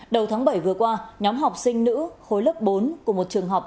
đầu tháng bảy vừa qua nhóm học sinh nữ khối lớp bốn của một trường học